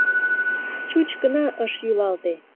Чуч гына ыш йӱлалте.